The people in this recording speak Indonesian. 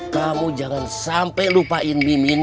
kamu jangan sampai lupain mimina